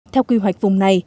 theo quy hoạch vùng này